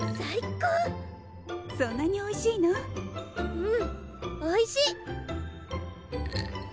うんおいしい！